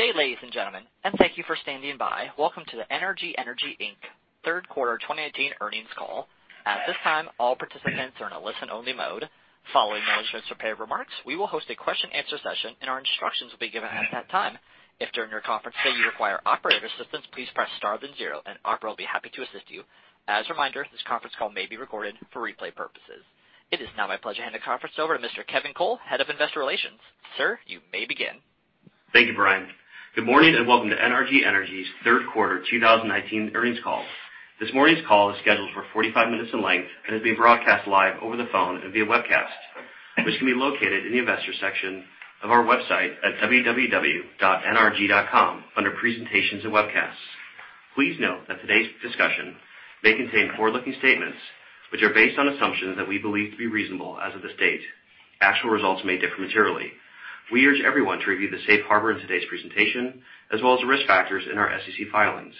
Good day, ladies and gentlemen, and thank you for standing by. Welcome to the NRG Energy Inc. third quarter 2018 earnings call. At this time, all participants are in a listen-only mode. Following management's prepared remarks, we will host a question answer session, and our instructions will be given at that time. If during your conference today you require operator assistance, please press star then zero, and operator will be happy to assist you. As a reminder, this conference call may be recorded for replay purposes. It is now my pleasure to hand the conference over to Mr. Kevin Cole, Head of Investor Relations. Sir, you may begin. Thank you, Brian. Good morning, and welcome to NRG Energy's third quarter 2019 earnings call. This morning's call is scheduled for 45 minutes in length and is being broadcast live over the phone and via webcast, which can be located in the Investor section of our website at www.nrg.com under presentations and webcasts. Please note that today's discussion may contain forward-looking statements which are based on assumptions that we believe to be reasonable as of this date. Actual results may differ materially. We urge everyone to review the safe harbor in today's presentation, as well as the risk factors in our SEC filings.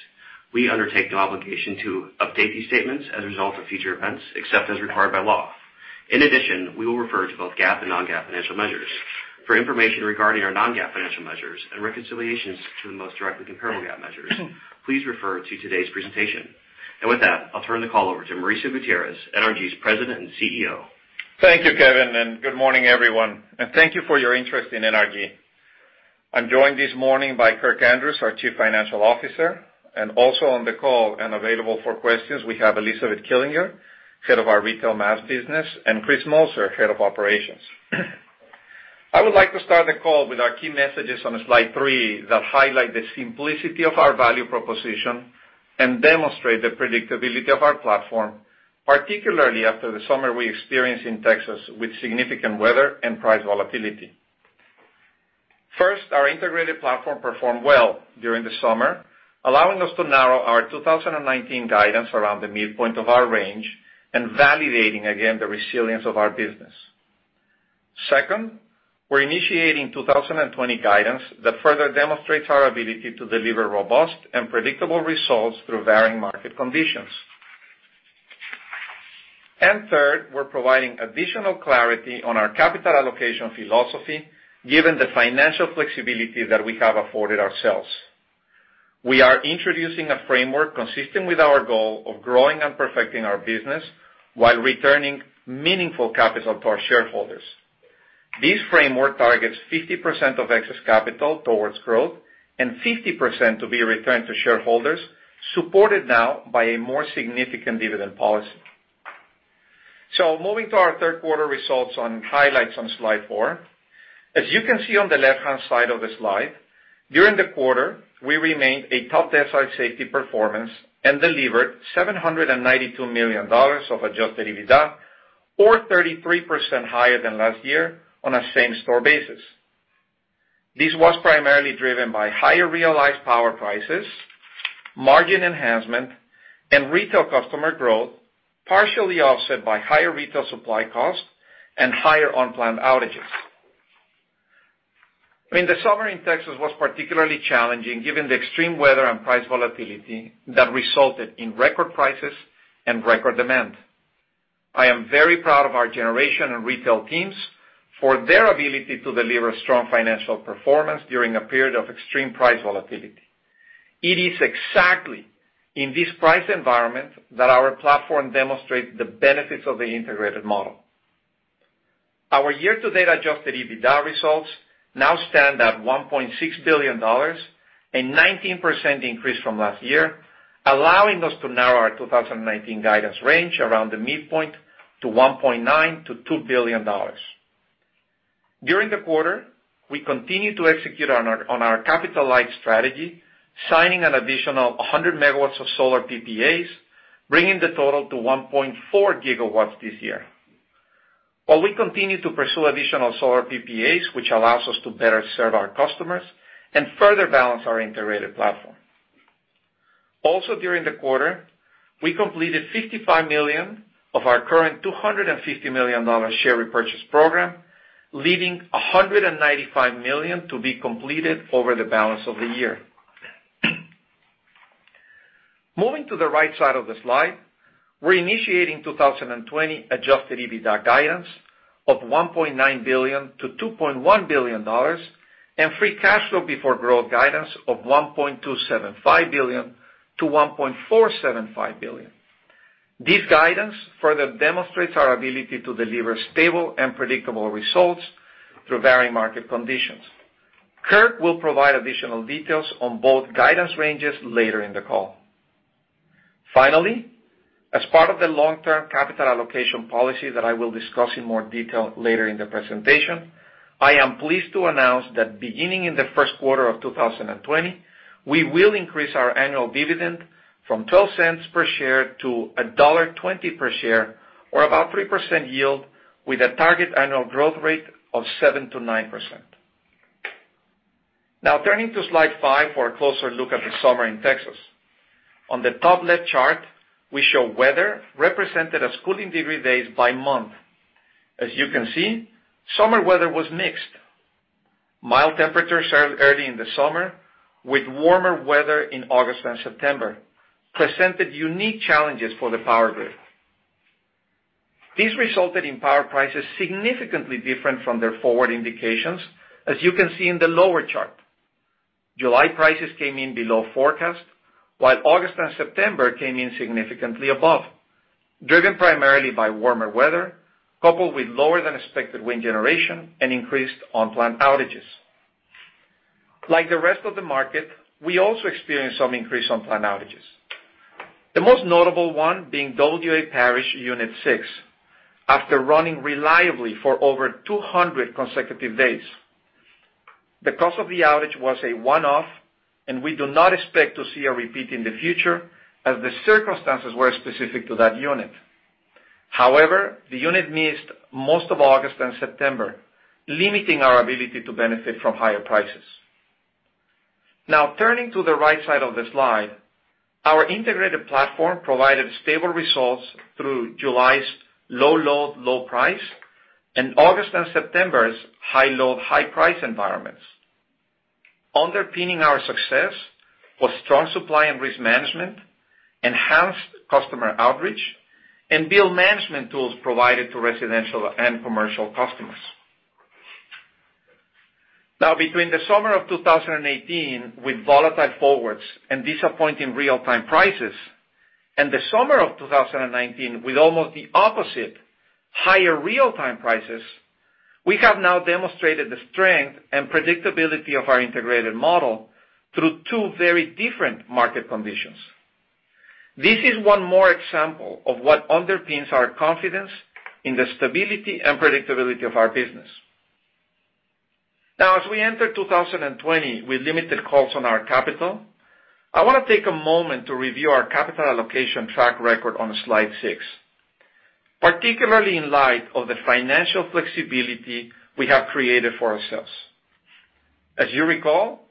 We undertake no obligation to update these statements as a result of future events, except as required by law. We will refer to both GAAP and non-GAAP financial measures. For information regarding our non-GAAP financial measures and reconciliations to the most directly comparable GAAP measures, please refer to today's presentation. With that, I'll turn the call over to Mauricio Gutierrez, NRG's President and CEO. Thank you, Kevin, and good morning, everyone, and thank you for your interest in NRG. I'm joined this morning by Kirkland Andrews, our Chief Financial Officer, and also on the call and available for questions we have Elizabeth Killinger, Head of our Retail Mass business, and Chris Moser, Head of Operations. I would like to start the call with our key messages on slide three that highlight the simplicity of our value proposition and demonstrate the predictability of our platform, particularly after the summer we experienced in Texas with significant weather and price volatility. First, our integrated platform performed well during the summer, allowing us to narrow our 2019 guidance around the midpoint of our range and validating again the resilience of our business. Second, we're initiating 2020 guidance that further demonstrates our ability to deliver robust and predictable results through varying market conditions. Third, we're providing additional clarity on our capital allocation philosophy, given the financial flexibility that we have afforded ourselves. We are introducing a framework consistent with our goal of growing and perfecting our business while returning meaningful capital to our shareholders, supported now by a more significant dividend policy. This framework targets 50% of excess capital towards growth and 50% to be returned to shareholders, supported now by a more significant dividend policy. Moving to our third quarter results on highlights on slide four. As you can see on the left-hand side of the slide, during the quarter, we remained a top desk safety performance and delivered $792 million of adjusted EBITDA, or 33% higher than last year on a same store basis. This was primarily driven by higher realized power prices, margin enhancement, and retail customer growth, partially offset by higher retail supply costs and higher unplanned outages. I mean, the summer in Texas was particularly challenging given the extreme weather and price volatility that resulted in record prices and record demand. I am very proud of our generation and retail teams for their ability to deliver strong financial performance during a period of extreme price volatility. It is exactly in this price environment that our platform demonstrates the benefits of the integrated model. Our year-to-date adjusted EBITDA results now stand at $1.6 billion, a 19% increase from last year, allowing us to narrow our 2019 guidance range around the midpoint to $1.9 billion-$2 billion. During the quarter, we continued to execute on our capital-light strategy, signing an additional 100 MW of solar PPAs, bringing the total to 1.4 GW this year. While we continue to pursue additional solar PPAs, which allows us to better serve our customers and further balance our integrated platform. Also during the quarter, we completed 55 million of our current $250 million share repurchase program, leaving 195 million to be completed over the balance of the year. Moving to the right side of the slide, we're initiating 2020 adjusted EBITDA guidance of $1.9 billion-$2.1 billion and free cash flow before growth guidance of $1.275 billion-$1.475 billion. This guidance further demonstrates our ability to deliver stable and predictable results through varying market conditions. Kirk will provide additional details on both guidance ranges later in the call. Finally, as part of the long-term capital allocation policy that I will discuss in more detail later in the presentation, I am pleased to announce that beginning in the first quarter of 2020, we will increase our annual dividend from $0.12 per share to $1.20 per share, or about 3% yield, with a target annual growth rate of 7%-9%. Turning to slide five for a closer look at the summer in Texas. On the top left chart, we show weather represented as cooling degree days by month. As you can see, summer weather was mixed. Mild temperatures started early in the summer, with warmer weather in August and September, presented unique challenges for the power grid. This resulted in power prices significantly different from their forward indications, as you can see in the lower chart. July prices came in below forecast, while August and September came in significantly above, driven primarily by warmer weather, coupled with lower than expected wind generation and increased unplanned outages. Like the rest of the market, we also experienced some increased unplanned outages. The most notable one being W.A. Parish Unit 6, after running reliably for over 200 consecutive days. The cost of the outage was a one-off, and we do not expect to see a repeat in the future, as the circumstances were specific to that unit. However, the unit missed most of August and September, limiting our ability to benefit from higher prices. Now, turning to the right side of the slide, our integrated platform provided stable results through July's low load, low price, and August and September's high load, high price environments. Underpinning our success was strong supply and risk management, enhanced customer outreach, and bill management tools provided to residential and commercial customers. Between the summer of 2018, with volatile forwards and disappointing real-time prices, and the summer of 2019, with almost the opposite, higher real-time prices, we have now demonstrated the strength and predictability of our integrated model through two very different market conditions. This is one more example of what underpins our confidence in the stability and predictability of our business. As we enter 2020 with limited calls on our capital, I want to take a moment to review our capital allocation track record on slide six. Particularly in light of the financial flexibility we have created for ourselves. As you recall,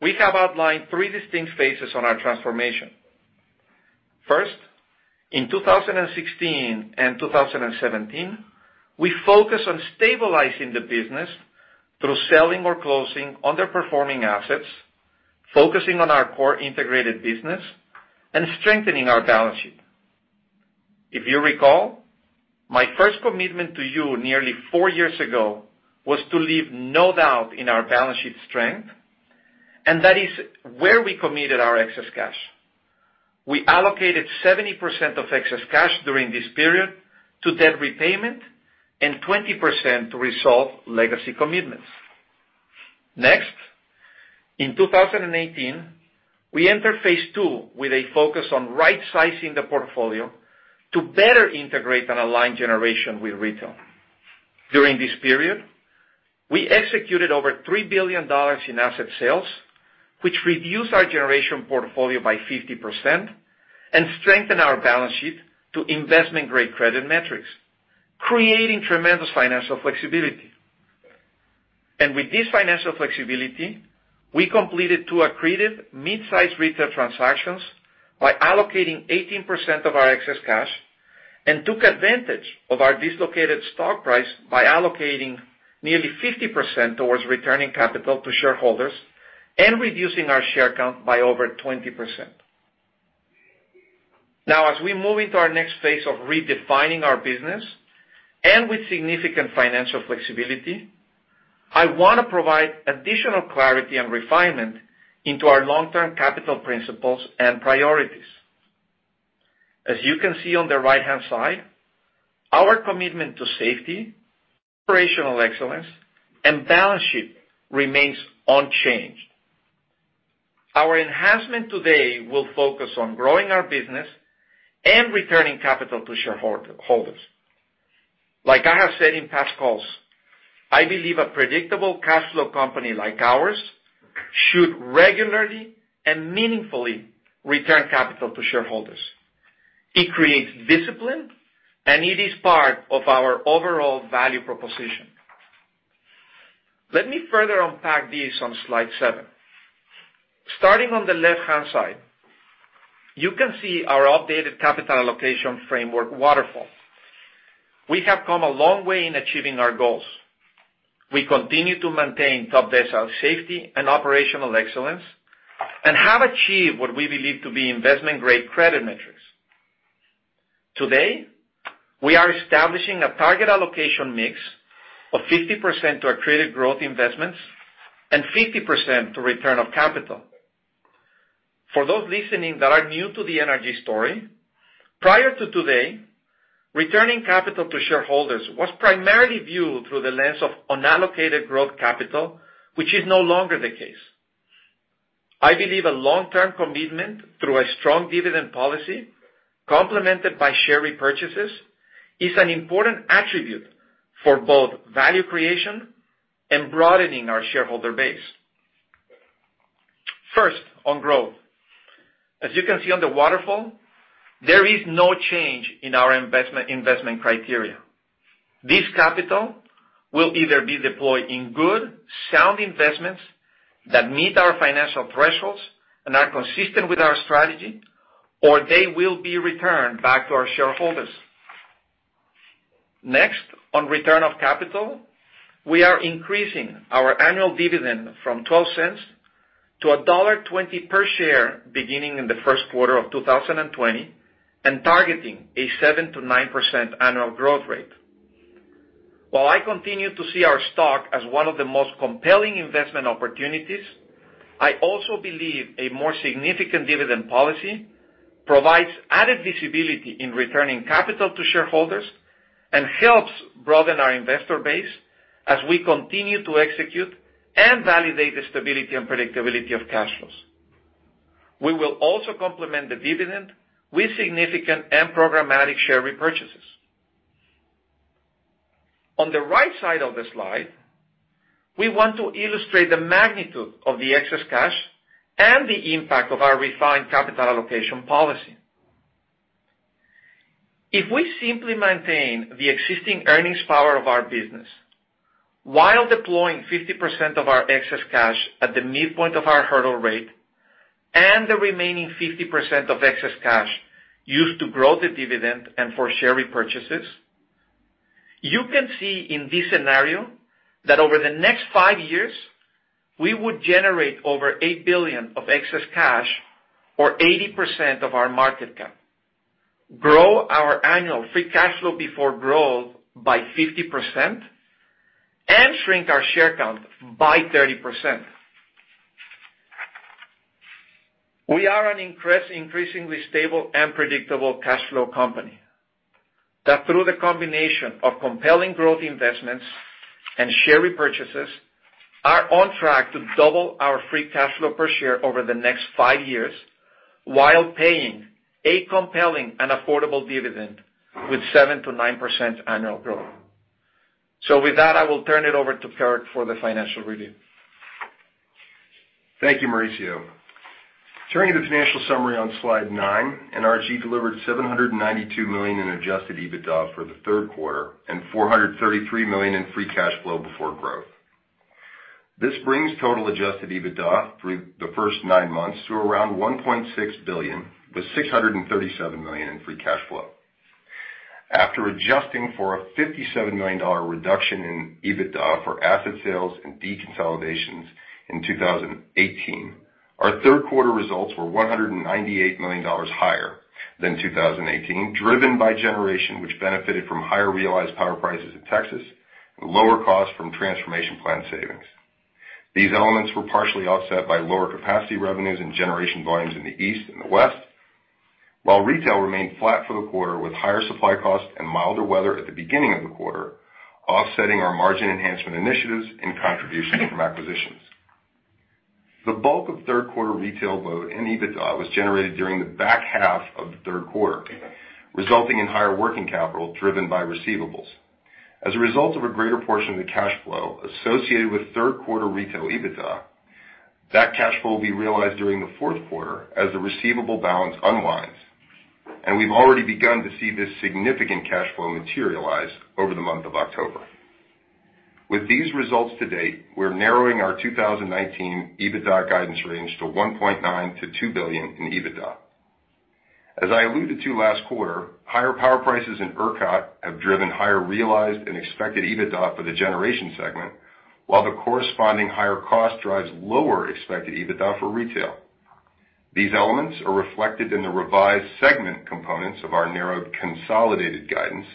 we have outlined three distinct phases on our transformation. First, in 2016 and 2017, we focused on stabilizing the business through selling or closing underperforming assets, focusing on our core integrated business, and strengthening our balance sheet. If you recall, my first commitment to you nearly four years ago was to leave no doubt in our balance sheet strength, and that is where we committed our excess cash. We allocated 70% of excess cash during this period to debt repayment and 20% to resolve legacy commitments. In 2018, we entered phase 2 with a focus on right-sizing the portfolio to better integrate and align generation with retail. During this period, we executed over $3 billion in asset sales, which reduced our generation portfolio by 50% and strengthened our balance sheet to investment-grade credit metrics, creating tremendous financial flexibility. With this financial flexibility, we completed two accretive mid-size retail transactions by allocating 18% of our excess cash and took advantage of our dislocated stock price by allocating nearly 50% towards returning capital to shareholders and reducing our share count by over 20%. Now, as we move into our next phase of redefining our business, and with significant financial flexibility, I want to provide additional clarity and refinement into our long-term capital principles and priorities. As you can see on the right-hand side, our commitment to safety, operational excellence, and balance sheet remains unchanged. Our enhancement today will focus on growing our business and returning capital to shareholders. Like I have said in past calls, I believe a predictable cash flow company like ours should regularly and meaningfully return capital to shareholders. It creates discipline, and it is part of our overall value proposition. Let me further unpack this on slide seven. Starting on the left-hand side, you can see our updated capital allocation framework waterfall. We have come a long way in achieving our goals. We continue to maintain top decile safety and operational excellence and have achieved what we believe to be investment-grade credit metrics. Today, we are establishing a target allocation mix of 50% to accretive growth investments and 50% to return of capital. For those listening that are new to the NRG story, prior to today, returning capital to shareholders was primarily viewed through the lens of unallocated growth capital, which is no longer the case. I believe a long-term commitment through a strong dividend policy complemented by share repurchases is an important attribute for both value creation and broadening our shareholder base. First, on growth. As you can see on the waterfall, there is no change in our investment criteria. This capital will either be deployed in good, sound investments that meet our financial thresholds and are consistent with our strategy, or they will be returned back to our shareholders. Next, on return of capital, we are increasing our annual dividend from $0.12 to $1.20 per share beginning in the first quarter of 2020, and targeting a 7%-9% annual growth rate. While I continue to see our stock as one of the most compelling investment opportunities, I also believe a more significant dividend policy provides added visibility in returning capital to shareholders and helps broaden our investor base as we continue to execute and validate the stability and predictability of cash flows. We will also complement the dividend with significant and programmatic share repurchases. On the right side of the slide, we want to illustrate the magnitude of the excess cash and the impact of our refined capital allocation policy. If we simply maintain the existing earnings power of our business while deploying 50% of our excess cash at the midpoint of our hurdle rate, and the remaining 50% of excess cash used to grow the dividend and for share repurchases, you can see in this scenario that over the next five years, we would generate over $8 billion of excess cash, or 80% of our market cap, grow our annual free cash flow before growth by 50%, and shrink our share count by 30%. We are an increasingly stable and predictable cash flow company. Through the combination of compelling growth investments and share repurchases, are on track to double our free cash flow per share over the next five years while paying a compelling and affordable dividend with 7%-9% annual growth. With that, I will turn it over to Kirk for the financial review. Thank you, Mauricio. Turning to the financial summary on slide nine, NRG delivered $792 million in adjusted EBITDA for the third quarter and $433 million in free cash flow before growth. This brings total adjusted EBITDA through the first nine months to around $1.6 billion, with $637 million in free cash flow. After adjusting for a $57 million reduction in EBITDA for asset sales and deconsolidations in 2018, our third quarter results were $198 million higher than 2018, driven by generation, which benefited from higher realized power prices in Texas and lower costs from transformation plan savings. These elements were partially offset by lower capacity revenues and generation volumes in the East and the West, while retail remained flat for the quarter with higher supply costs and milder weather at the beginning of the quarter, offsetting our margin enhancement initiatives and contributions from acquisitions. The bulk of third quarter retail load and EBITDA was generated during the back half of the third quarter, resulting in higher working capital driven by receivables. As a result of a greater portion of the cash flow associated with third quarter retail EBITDA, that cash flow will be realized during the fourth quarter as the receivable balance unwinds, and we've already begun to see this significant cash flow materialize over the month of October. With these results to date, we're narrowing our 2019 EBITDA guidance range to $1.9 billion-$2 billion in EBITDA. As I alluded to last quarter, higher power prices in ERCOT have driven higher realized and expected EBITDA for the generation segment, while the corresponding higher cost drives lower expected EBITDA for retail. These elements are reflected in the revised segment components of our narrowed consolidated guidance,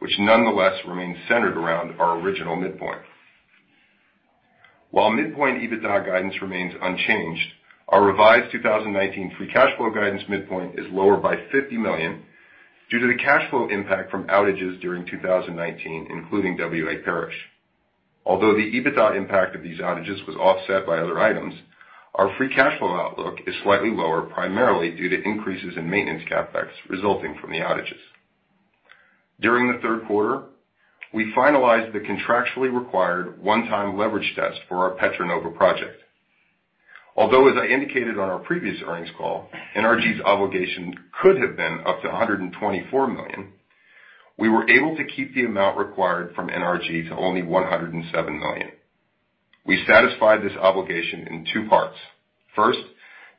which nonetheless remains centered around our original midpoint. While midpoint EBITDA guidance remains unchanged, our revised 2019 free cash flow guidance midpoint is lower by $50 million due to the cash flow impact from outages during 2019, including W.A. Parish. Although the EBITDA impact of these outages was offset by other items, our free cash flow outlook is slightly lower, primarily due to increases in maintenance CapEx resulting from the outages. During the third quarter, we finalized the contractually required one-time leverage test for our Petra Nova project. Although, as I indicated on our previous earnings call, NRG's obligation could have been up to $124 million, we were able to keep the amount required from NRG to only $107 million. We satisfied this obligation in two parts.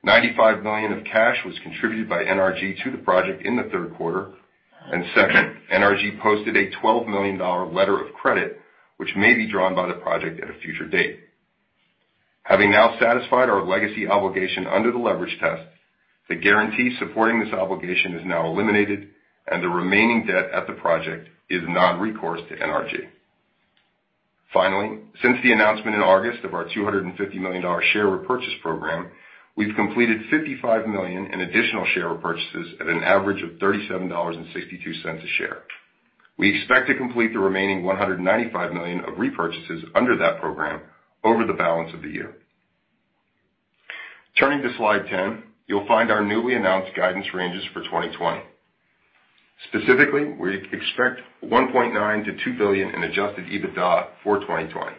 $95 million of cash was contributed by NRG to the project in the third quarter, and second, NRG posted a $12 million letter of credit, which may be drawn by the project at a future date. Having now satisfied our legacy obligation under the leverage test, the guarantee supporting this obligation is now eliminated, and the remaining debt at the project is non-recourse to NRG. Since the announcement in August of our $250 million share repurchase program, we've completed $55 million in additional share repurchases at an average of $37.62 a share. We expect to complete the remaining $195 million of repurchases under that program over the balance of the year. Turning to slide 10, you'll find our newly announced guidance ranges for 2020. We expect $1.9 billion-$2 billion in adjusted EBITDA for 2020.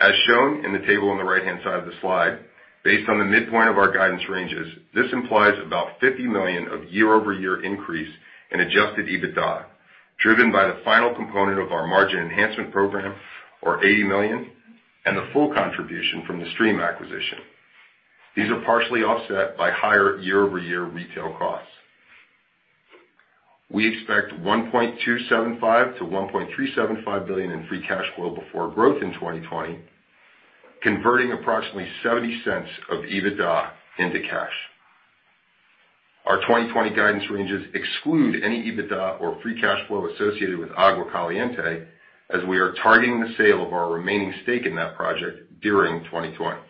As shown in the table on the right-hand side of the slide, based on the midpoint of our guidance ranges, this implies about $50 million of year-over-year increase in adjusted EBITDA, driven by the final component of our margin enhancement program or $80 million, and the full contribution from the Stream acquisition. These are partially offset by higher year-over-year retail costs. We expect $1.275 billion-$1.375 billion in free cash flow before growth in 2020, converting approximately $0.70 of EBITDA into cash. Our 2020 guidance ranges exclude any EBITDA or free cash flow associated with Agua Caliente, as we are targeting the sale of our remaining stake in that project during 2020.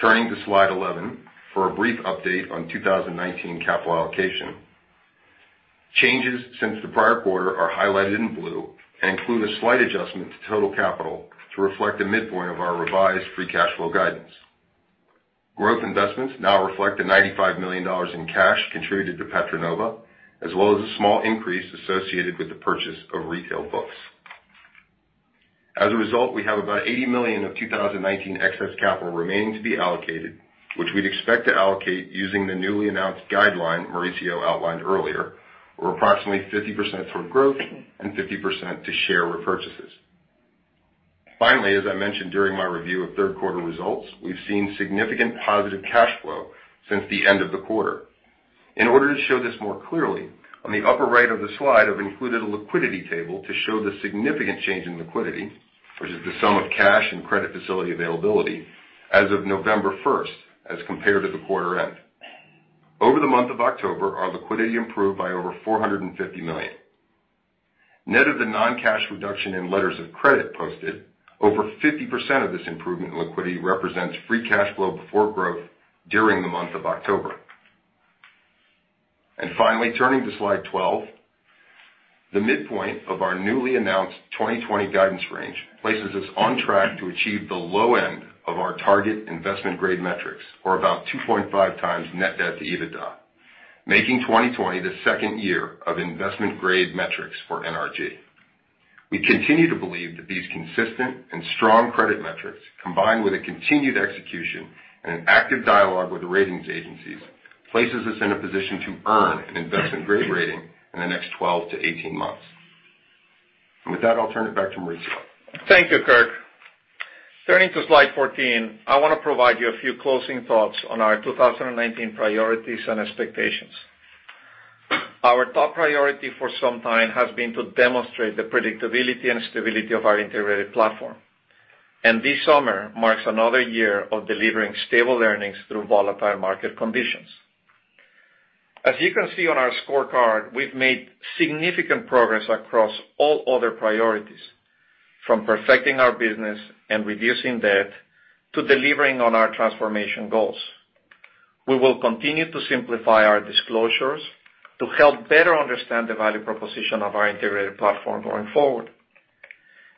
Turning to slide 11 for a brief update on 2019 capital allocation. Changes since the prior quarter are highlighted in blue and include a slight adjustment to total capital to reflect the midpoint of our revised free cash flow guidance. Growth investments now reflect the $95 million in cash contributed to Petra Nova, as well as a small increase associated with the purchase of retail books. As a result, we have about $80 million of 2019 excess capital remaining to be allocated, which we'd expect to allocate using the newly announced guideline Mauricio outlined earlier, or approximately 50% toward growth and 50% to share repurchases. Finally, as I mentioned during my review of third quarter results, we've seen significant positive cash flow since the end of the quarter. In order to show this more clearly, on the upper right of the slide, I've included a liquidity table to show the significant change in liquidity, which is the sum of cash and credit facility availability, as of November 1st, as compared to the quarter end. Over the month of October, our liquidity improved by over $450 million. Net of the non-cash reduction in letters of credit posted, over 50% of this improvement in liquidity represents free cash flow before growth during the month of October. Finally, turning to slide 12. The midpoint of our newly announced 2020 guidance range places us on track to achieve the low end of our target investment grade metrics, or about 2.5 times net debt to EBITDA, making 2020 the second year of investment grade metrics for NRG. We continue to believe that these consistent and strong credit metrics, combined with a continued execution and an active dialogue with the ratings agencies, places us in a position to earn an investment grade rating in the next 12 to 18 months. With that, I'll turn it back to Mauricio. Thank you, Kirk. Turning to slide 14, I want to provide you a few closing thoughts on our 2019 priorities and expectations. This summer marks another year of delivering stable earnings through volatile market conditions. As you can see on our scorecard, we've made significant progress across all other priorities, from perfecting our business and reducing debt to delivering on our transformation goals. We will continue to simplify our disclosures to help better understand the value proposition of our integrated platform going forward.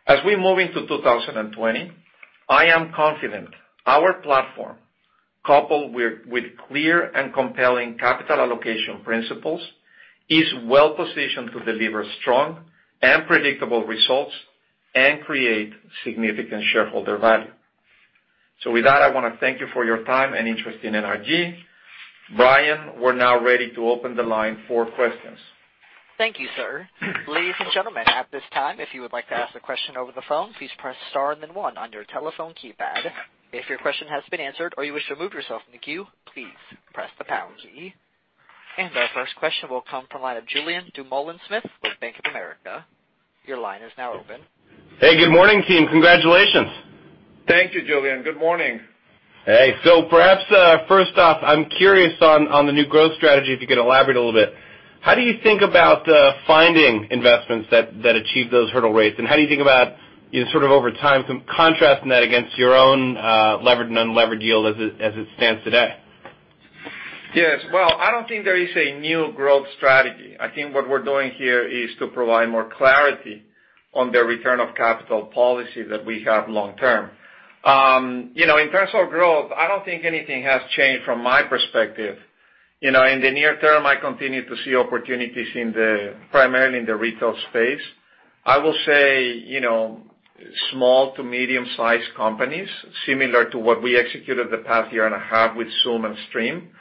As we move into 2020, I am confident our platform, coupled with clear and compelling capital allocation principles, is well-positioned to deliver strong and predictable results and create significant shareholder value. With that, I want to thank you for your time and interest in NRG. Brian, we're now ready to open the line for questions. Thank you, sir. Ladies and gentlemen, at this time, if you would like to ask a question over the phone, please press star and then one on your telephone keypad. If your question has been answered or you wish to remove yourself from the queue, please press the pound key. Our first question will come from the line of Julien Dumoulin-Smith with Bank of America. Your line is now open. Hey, good morning, team. Congratulations. Thank you, Julien. Good morning. Hey. Perhaps, first off, I'm curious on the new growth strategy, if you could elaborate a little bit. How do you think about finding investments that achieve those hurdle rates, and how do you think about sort of over time, contrasting that against your own levered and unlevered yield as it stands today? Yes. Well, I don't think there is a new growth strategy. I think what we're doing here is to provide more clarity on the return of capital policy that we have long term. In terms of growth, I don't think anything has changed from my perspective. In the near term, I continue to see opportunities primarily in the retail space. I will say small to medium-sized companies, similar to what we executed the past year and a half with XOOM and Stream.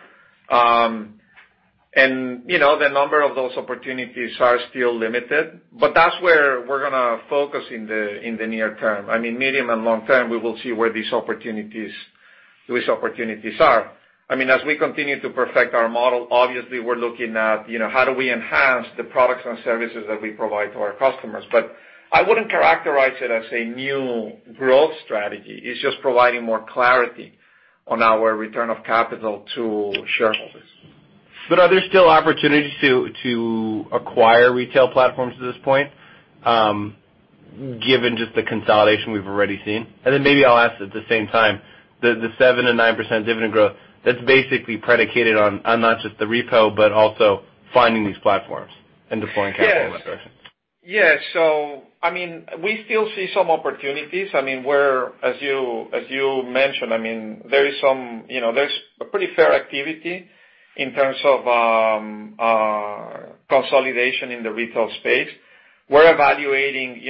The number of those opportunities are still limited, but that's where we're going to focus in the near term. Medium and long term, we will see where these opportunities are. As we continue to perfect our model, obviously, we're looking at how do we enhance the products and services that we provide to our customers. I wouldn't characterize it as a new growth strategy. It's just providing more clarity on our return of capital to shareholders. Are there still opportunities to acquire retail platforms at this point, given just the consolidation we've already seen? Maybe I'll ask at the same time, the 7% and 9% dividend growth, that's basically predicated on not just the repo, but also finding these platforms and deploying capital in that direction. Yes. We still see some opportunities. As you mentioned, there's a pretty fair activity in terms of consolidation in the retail space. We're evaluating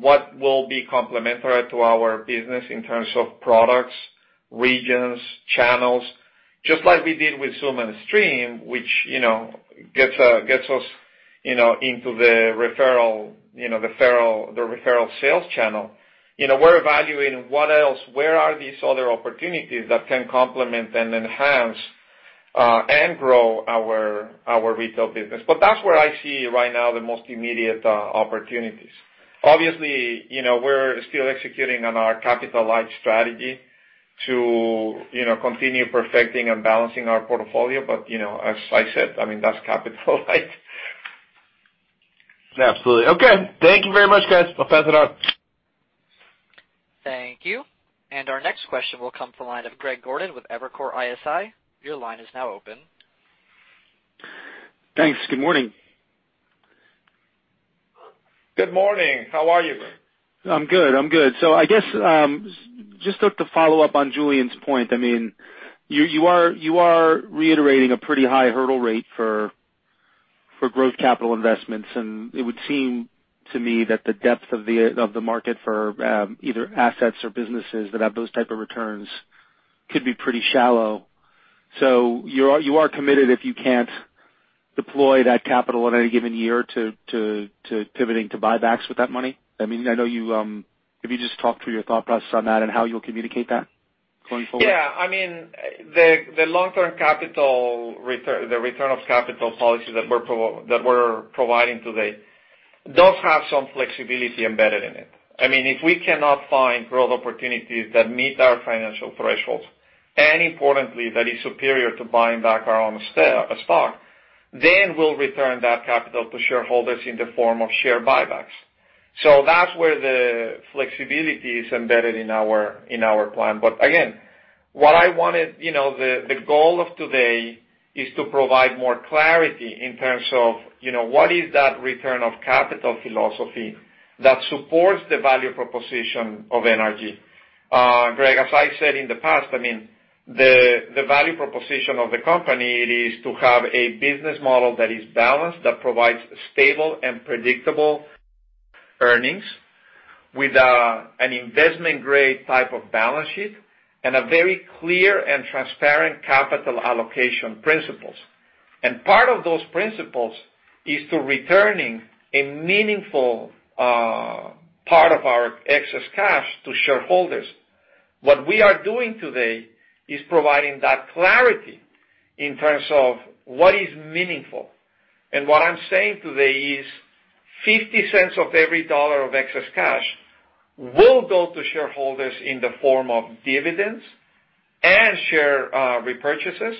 what will be complementary to our business in terms of products, regions, channels. Just like we did with XOOM and Stream, which gets us into the referral sales channel. We're evaluating what else, where are these other opportunities that can complement and enhance, and grow our retail business. That's where I see right now the most immediate opportunities. Obviously, we're still executing on our capital light strategy to continue perfecting and balancing our portfolio. As I said, that's capital light. Absolutely. Okay. Thank you very much, guys. I'll pass it on. Thank you. Our next question will come from the line of Greg Gordon with Evercore ISI. Your line is now open. Thanks. Good morning. Good morning. How are you? I'm good. I guess, just to follow up on Julien's point, you are reiterating a pretty high hurdle rate for growth capital investments, and it would seem to me that the depth of the market for either assets or businesses that have those type of returns could be pretty shallow. You are committed if you can't deploy that capital in any given year to pivoting to buybacks with that money? If you just talk through your thought process on that and how you'll communicate that going forward. Yeah. The return of capital policy that we're providing today does have some flexibility embedded in it. If we cannot find growth opportunities that meet our financial thresholds, and importantly, that is superior to buying back our own stock, we'll return that capital to shareholders in the form of share buybacks. That's where the flexibility is embedded in our plan. Again, the goal of today is to provide more clarity in terms of what is that return of capital philosophy that supports the value proposition of NRG. Greg, as I said in the past, the value proposition of the company, it is to have a business model that is balanced, that provides stable and predictable earnings with an investment-grade type of balance sheet, and a very clear and transparent capital allocation principles. Part of those principles is to returning a meaningful part of our excess cash to shareholders. What we are doing today is providing that clarity in terms of what is meaningful. What I'm saying today is $0.50 of every dollar of excess cash will go to shareholders in the form of dividends and share repurchases,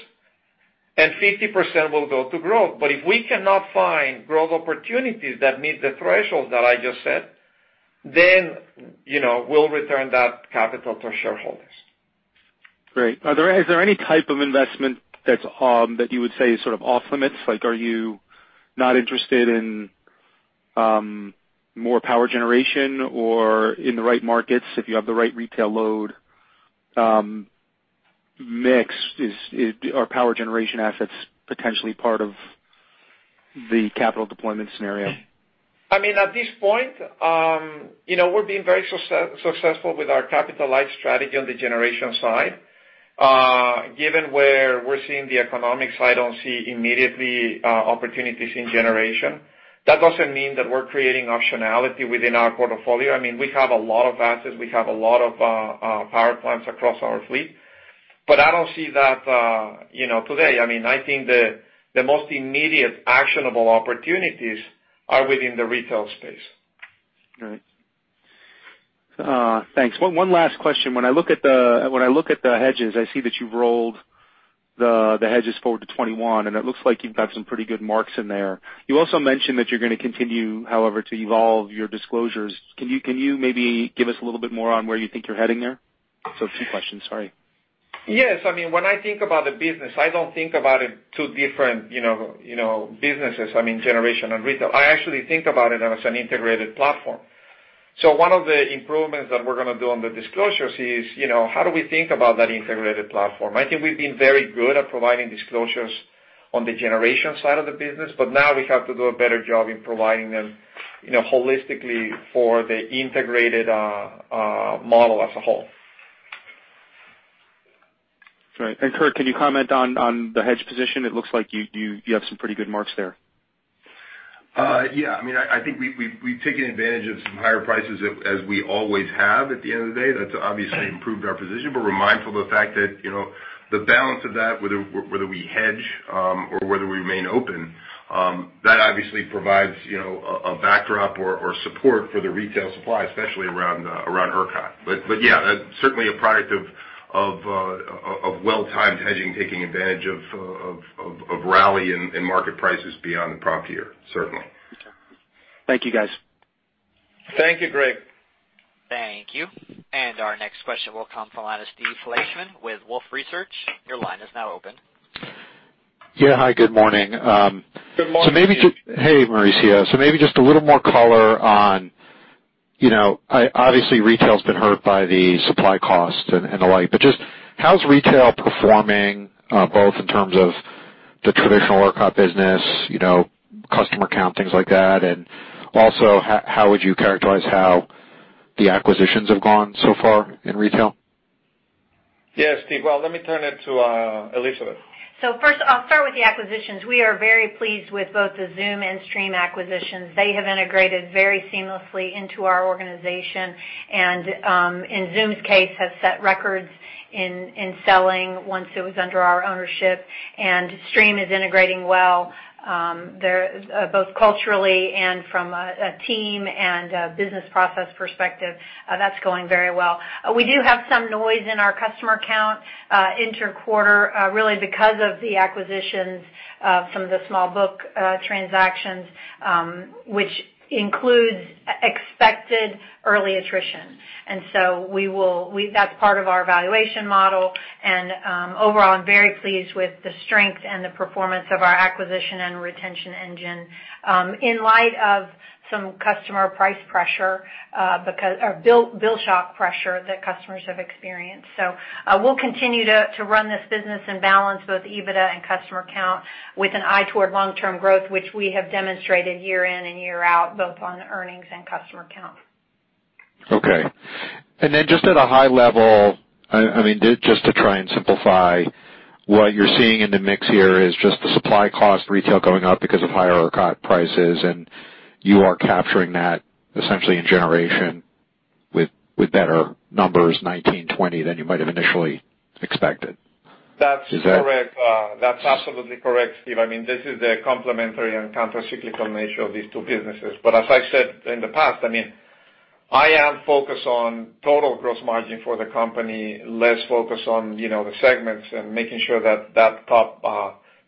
and 50% will go to growth. If we cannot find growth opportunities that meet the threshold that I just said, then we'll return that capital to shareholders. Great. Is there any type of investment that you would say is sort of off-limits? Like, are you not interested in more power generation or in the right markets if you have the right retail load mix? Are power generation assets potentially part of the capital deployment scenario? At this point, we're being very successful with our capital light strategy on the generation side. Given where we're seeing the economics, I don't see immediately opportunities in generation. That doesn't mean that we're creating optionality within our portfolio. We have a lot of assets, we have a lot of power plants across our fleet. I don't see that today. I think the most immediate actionable opportunities are within the retail space. Right. Thanks. One last question. When I look at the hedges, I see that you've rolled the hedges forward to 2021, and it looks like you've got some pretty good marks in there. You also mentioned that you're going to continue, however, to evolve your disclosures. Can you maybe give us a little bit more on where you think you're heading there? Two questions, sorry. Yes. When I think about the business, I don't think about it two different businesses, generation and retail. I actually think about it as an integrated platform. One of the improvements that we're going to do on the disclosures is, how do we think about that integrated platform? I think we've been very good at providing disclosures on the generation side of the business, now we have to do a better job in providing them holistically for the integrated model as a whole. Right. Kirk, can you comment on the hedge position? It looks like you have some pretty good marks there. Yeah. I think we've taken advantage of some higher prices as we always have at the end of the day. That's obviously improved our position, we're mindful of the fact that the balance of that, whether we hedge or whether we remain open, that obviously provides a backdrop or support for the retail supply, especially around ERCOT. Yeah, that's certainly a product of well-timed hedging, taking advantage of rally and market prices beyond the prompt year, certainly. Okay. Thank you, guys. Thank you, Greg. Thank you. Our next question will come from the line of Steve Fleishman with Wolfe Research. Your line is now open. Yeah. Hi, good morning. Good morning. Hey, Mauricio. Maybe just a little more color on, obviously retail's been hurt by the supply costs and the like, but just how's retail performing both in terms of the traditional ERCOT business, customer count, things like that? Also, how would you characterize how the acquisitions have gone so far in retail? Yes, Steve. Well, let me turn it to Elizabeth. First, I'll start with the acquisitions. We are very pleased with both the XOOM and Stream acquisitions. They have integrated very seamlessly into our organization and in XOOM's case, have set records in selling once it was under our ownership. Stream is integrating well, both culturally and from a team and a business process perspective. That's going very well. We do have some noise in our customer count inter-quarter really because of the acquisitions of some of the small book transactions, which includes expected early attrition. That's part of our valuation model. Overall, I'm very pleased with the strength and the performance of our acquisition and retention engine in light of some customer price pressure or bill shock pressure that customers have experienced. We'll continue to run this business and balance both EBITDA and customer count with an eye toward long-term growth, which we have demonstrated year in and year out, both on earnings and customer count. Okay. Then just at a high level, just to try and simplify what you're seeing in the mix here is just the supply cost retail going up because of higher ERCOT prices, and you are capturing that essentially in generation with better numbers 2019, 2020 than you might have initially expected. That's correct. Is that- That's absolutely correct, Steve. This is the complementary and counter-cyclical nature of these two businesses. As I said in the past, I am focused on total gross margin for the company, less focused on the segments and making sure that that top,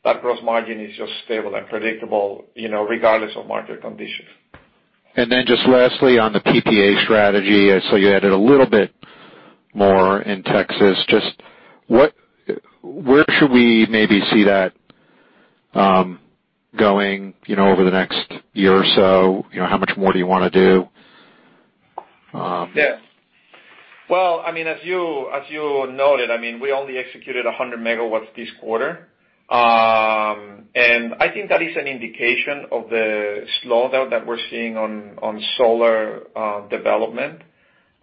that gross margin is just stable and predictable regardless of market conditions. Just lastly on the PPA strategy, I saw you added a little bit more in Texas. Just where should we maybe see that going over the next year or so? How much more do you want to do? Well, as you noted, we only executed 100 megawatts this quarter. I think that is an indication of the slowdown that we're seeing on solar development.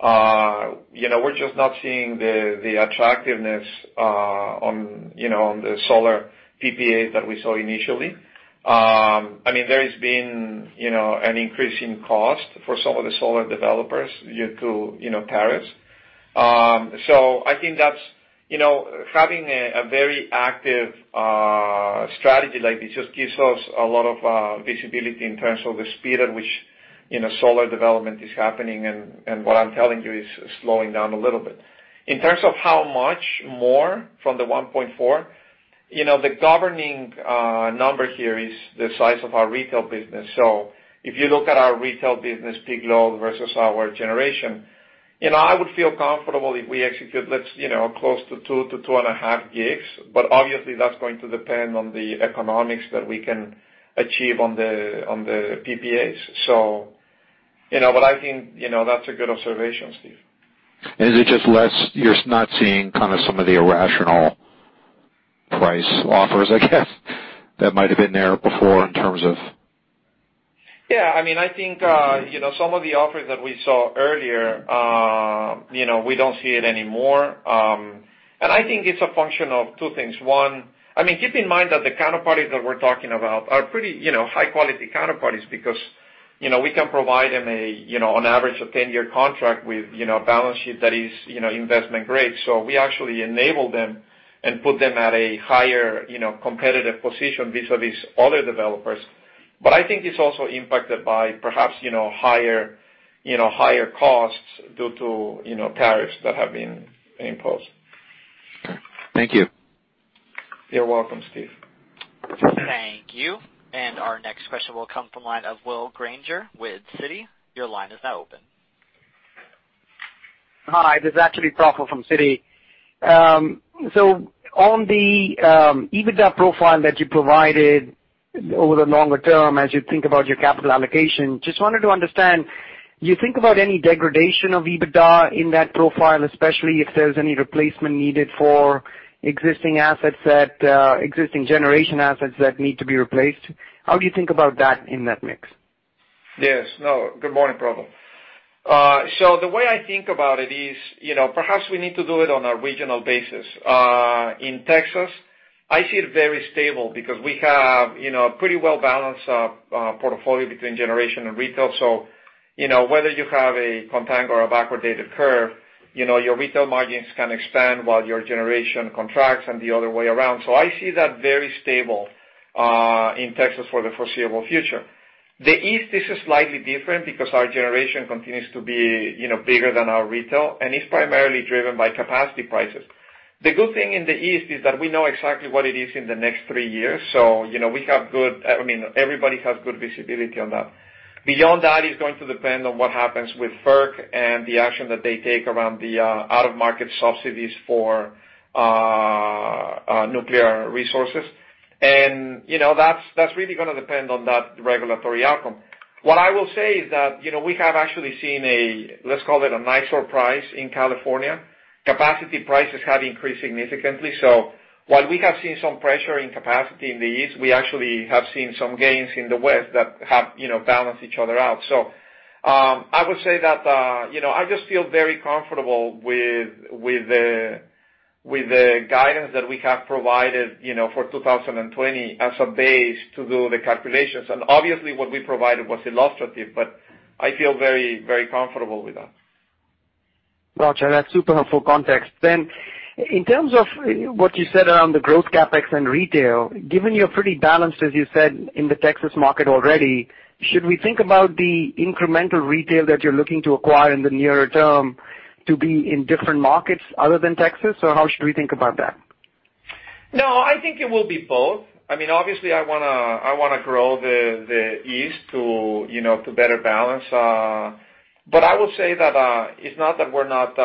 We're just not seeing the attractiveness on the solar PPAs that we saw initially. There has been an increase in cost for some of the solar developers due to tariffs. I think having a very active strategy like this just gives us a lot of visibility in terms of the speed at which solar development is happening. What I'm telling you is it's slowing down a little bit. In terms of how much more from the 1.4, the governing number here is the size of our retail business. If you look at our retail business peak load versus our generation, I would feel comfortable if we execute, close to 2-2.5 gigs. Obviously, that's going to depend on the economics that we can achieve on the PPAs. I think that's a good observation, Steve. Is it just less, you're not seeing kind of some of the irrational price offers, I guess that might have been there before in terms of? Yeah, I think some of the offers that we saw earlier, we don't see it anymore. I think it's a function of two things. One, keep in mind that the counterparties that we're talking about are pretty high-quality counterparties because we can provide them an average of 10-year contract with a balance sheet that is investment grade. We actually enable them and put them at a higher competitive position vis-à-vis other developers. I think it's also impacted by perhaps higher costs due to tariffs that have been imposed. Okay. Thank you. You're welcome, Steve. Thank you. Our next question will come from the line of Will Granger with Citi. Your line is now open. Hi, this is actually Praful from Citi. On the EBITDA profile that you provided over the longer term, as you think about your capital allocation, just wanted to understand, you think about any degradation of EBITDA in that profile, especially if there's any replacement needed for existing generation assets that need to be replaced. How do you think about that in that mix? Yes. No, good morning, Praful. The way I think about it is perhaps we need to do it on a regional basis. In Texas, I see it very stable because we have pretty well-balanced portfolio between generation and retail. Whether you have a contango or a backward dated curve, your retail margins can expand while your generation contracts and the other way around. I see that very stable in Texas for the foreseeable future. The East is slightly different because our generation continues to be bigger than our retail, and it's primarily driven by capacity prices. The good thing in the East is that we know exactly what it is in the next three years, so everybody has good visibility on that. Beyond that, it's going to depend on what happens with FERC and the action that they take around the out-of-market subsidies for nuclear resources. That's really gonna depend on that regulatory outcome. What I will say is that, we have actually seen a, let's call it a nice surprise in California. Capacity prices have increased significantly. While we have seen some pressure in capacity in the East, we actually have seen some gains in the West that have balanced each other out. I would say that I just feel very comfortable with the guidance that we have provided for 2020 as a base to do the calculations. Obviously what we provided was illustrative, but I feel very comfortable with that. Got you. That's super helpful context. In terms of what you said around the growth CapEx and retail, given you're pretty balanced, as you said, in the Texas market already, should we think about the incremental retail that you're looking to acquire in the near term to be in different markets other than Texas? How should we think about that? I think it will be both. Obviously, I want to grow the East to better balance. I will say that it's not that we're not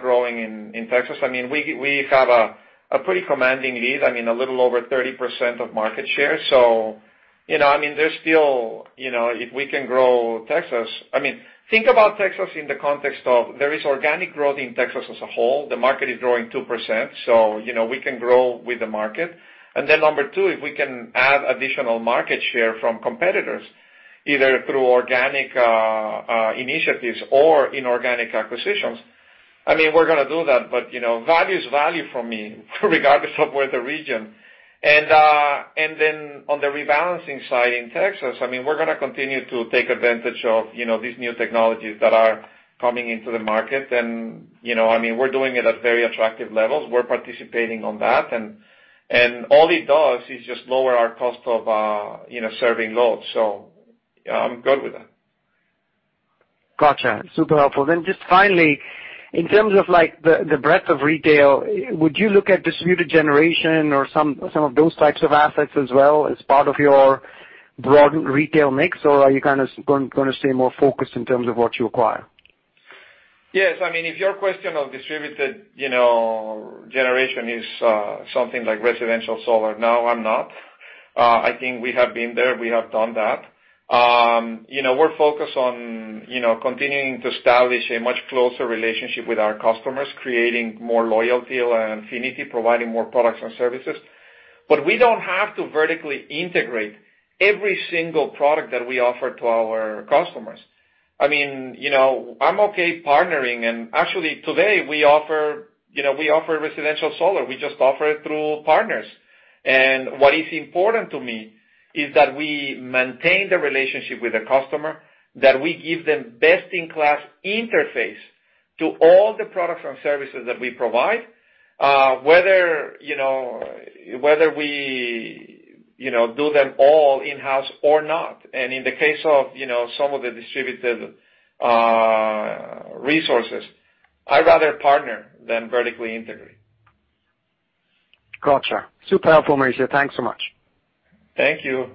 growing in Texas. We have a pretty commanding lead, a little over 30% of market share. If we can grow Texas. Think about Texas in the context of there is organic growth in Texas as a whole. The market is growing 2%, we can grow with the market. Number 2, if we can add additional market share from competitors, either through organic initiatives or inorganic acquisitions, we're going to do that. Value is value for me, regardless of where the region. On the rebalancing side in Texas, we're going to continue to take advantage of these new technologies that are coming into the market, and we're doing it at very attractive levels. We're participating on that. All it does is just lower our cost of serving loads. I'm good with that. Got you. Super helpful. Just finally, in terms of the breadth of retail, would you look at distributed generation or some of those types of assets as well as part of your broad retail mix? Are you going to stay more focused in terms of what you acquire? Yes. If your question of distributed generation is something like residential solar, no, I'm not. I think we have been there, we have done that. We're focused on continuing to establish a much closer relationship with our customers, creating more loyalty and affinity, providing more products and services. We don't have to vertically integrate every single product that we offer to our customers. I'm okay partnering, and actually today we offer residential solar. We just offer it through partners. What is important to me is that we maintain the relationship with the customer, that we give them best-in-class interface to all the products and services that we provide, whether we do them all in-house or not. In the case of some of the distributed resources, I'd rather partner than vertically integrate. Got you. Super helpful, Mauricio. Thanks so much. Thank you.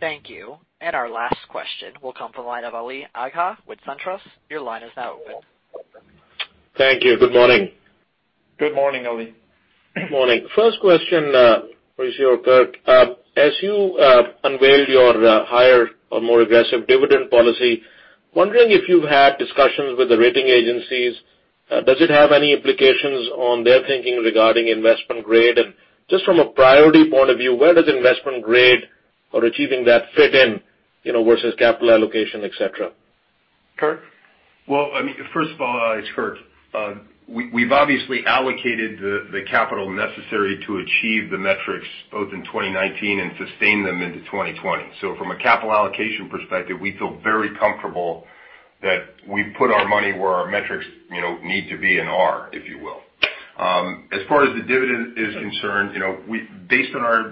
Thank you. Our last question will come from the line of Ali Agha with SunTrust. Your line is now open. Thank you. Good morning. Good morning, Ali. Morning. First question, Mauricio or Kirk. As you unveiled your higher or more aggressive dividend policy, wondering if you've had discussions with the rating agencies? Does it have any implications on their thinking regarding investment grade? Just from a priority point of view, where does investment grade or achieving that fit in versus capital allocation, et cetera? Kirk? Well, first of all, it's Kirk. We've obviously allocated the capital necessary to achieve the metrics both in 2019 and sustain them into 2020. From a capital allocation perspective, we feel very comfortable that we've put our money where our metrics need to be and are, if you will. As far as the dividend is concerned, based on our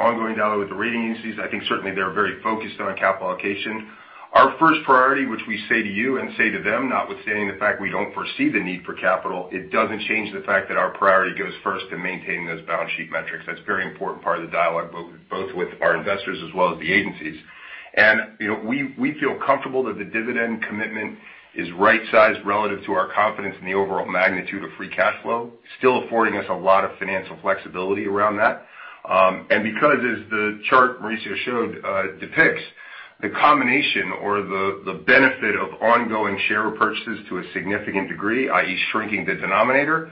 ongoing dialogue with the rating agencies, I think certainly they're very focused on capital allocation. Our first priority, which we say to you and say to them, notwithstanding the fact we don't foresee the need for capital, it doesn't change the fact that our priority goes first to maintaining those balance sheet metrics. That's a very important part of the dialogue, both with our investors as well as the agencies. We feel comfortable that the dividend commitment is right-sized relative to our confidence in the overall magnitude of free cash flow, still affording us a lot of financial flexibility around that. Because as the chart Mauricio showed depicts the combination or the benefit of ongoing share purchases to a significant degree, i.e. shrinking the denominator,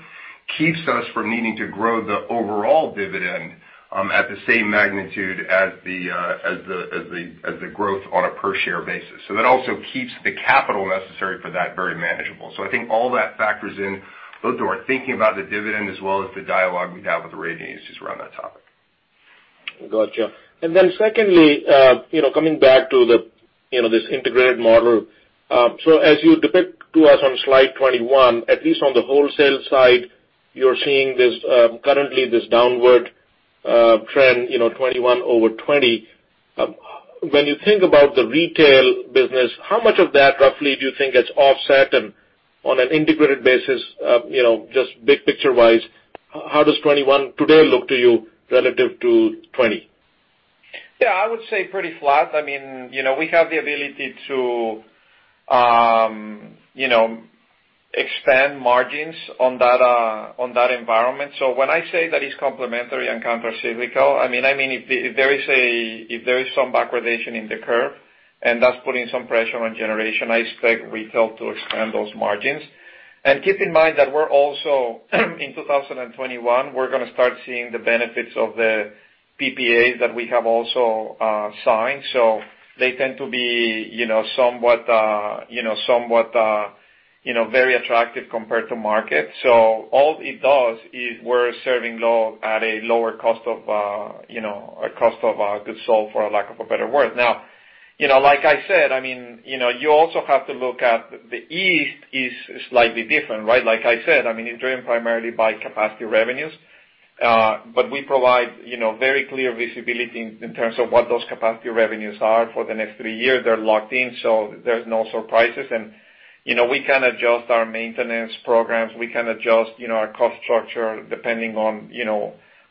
keeps us from needing to grow the overall dividend at the same magnitude as the growth on a per share basis. That also keeps the capital necessary for that very manageable. I think all that factors in both to our thinking about the dividend as well as the dialogue we've had with the rating agencies around that topic. Got you. Secondly, coming back to this integrated model. As you depict to us on slide 21, at least on the wholesale side, you're seeing currently this downward trend, 2021 over 2020. When you think about the retail business, how much of that roughly do you think gets offset and on an integrated basis, just big picture-wise, how does 2021 today look to you relative to 2020? Yeah, I would say pretty flat. We have the ability to expand margins on that environment. When I say that it's complementary and countercyclical, I mean if there is some backwardation in the curve and that's putting some pressure on generation, I expect retail to expand those margins. Keep in mind that in 2021, we're going to start seeing the benefits of the PPAs that we have also signed. They tend to be very attractive compared to market. All it does is we're serving at a lower cost of goods sold, for lack of a better word. Now, like I said, you also have to look at the East is slightly different, right? Like I said, it's driven primarily by capacity revenues. We provide very clear visibility in terms of what those capacity revenues are for the next three years. They're locked in, there's no surprises. We can adjust our maintenance programs, we can adjust our cost structure depending on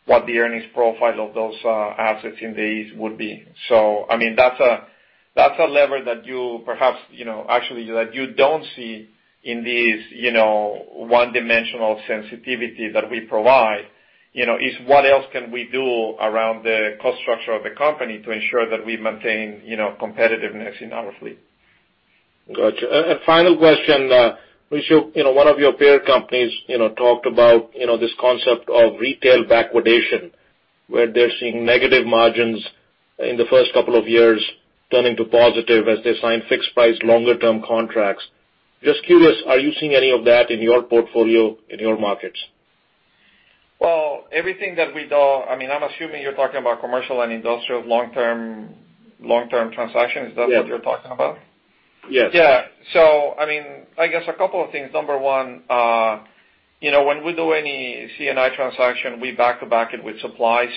what the earnings profile of those assets in the East would be. That's a lever that you perhaps actually don't see in these one-dimensional sensitivity that we provide, is what else can we do around the cost structure of the company to ensure that we maintain competitiveness in our fleet. Got you. A final question. Mauricio, one of your peer companies talked about this concept of retail backwardation, where they're seeing negative margins in the first couple of years turning to positive as they sign fixed price, longer term contracts. Just curious, are you seeing any of that in your portfolio, in your markets? Well, everything that we do, I'm assuming you're talking about commercial and industrial long-term transactions. Yes. Is that what you're talking about? Yes. Yeah. I guess a couple of things. Number one, when we do any C&I transaction, we back-to-back it with supply.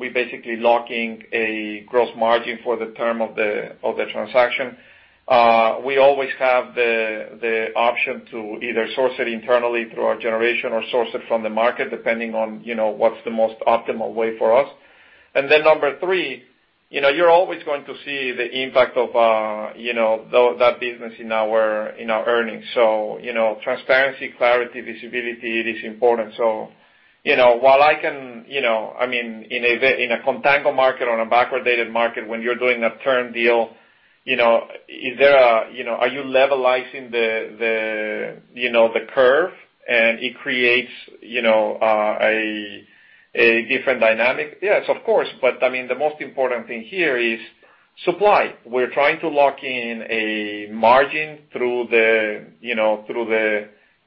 We basically locking a gross margin for the term of the transaction. We always have the option to either source it internally through our generation or source it from the market, depending on what's the most optimal way for us. Number three, you're always going to see the impact of that business in our earnings. Transparency, clarity, visibility is important. While I can, in a contango market or in a backwardated market, when you're doing a term deal, are you levelizing the curve and it creates a different dynamic. Yes, of course. The most important thing here is supply. We're trying to lock in a margin through the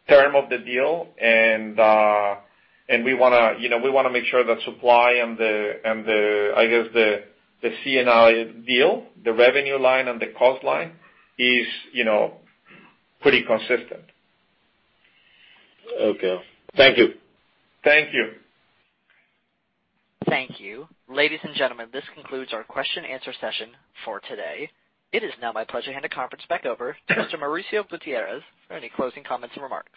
term of the deal. We want to make sure that supply and the C&I deal, the revenue line and the cost line is pretty consistent. Okay. Thank you. Thank you. Thank you. Ladies and gentlemen, this concludes our question-answer session for today. It is now my pleasure to hand the conference back over to Mr. Mauricio Gutierrez for any closing comments and remarks.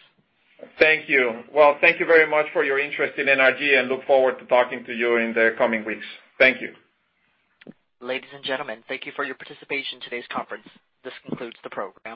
Thank you. Well, thank you very much for your interest in NRG, and look forward to talking to you in the coming weeks. Thank you. Ladies and gentlemen, thank you for your participation in today's conference. This concludes the program.